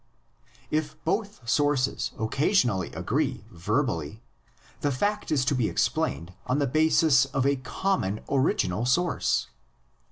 If both sources occasionally agree verbally the fact is to be explained on the basis of a common original source.